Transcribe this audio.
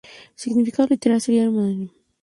El significado literal sería ‘mordedura de labios’.